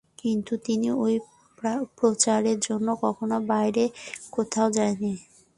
কিন্তু তিনি ঐ প্রচারের জন্য কখনও বাইরে কোথাও যাননি।